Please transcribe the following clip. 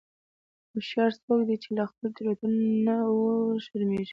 هوښیار څوک دی چې له خپلو تېروتنو نه و نه شرمیږي.